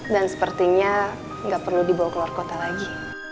dan sepertinya enggak perlu dibawa keluar kota lagi